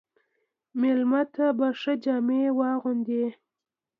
مېلمه ته به ښه جامې واغوندې.